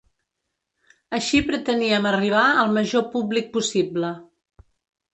Així preteníem arribar al major públic possible.